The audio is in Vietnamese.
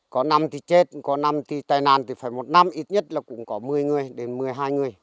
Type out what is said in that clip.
có năm thì chết có năm thì tai nạn thì phải một năm ít nhất là cũng có một mươi người đến một mươi hai người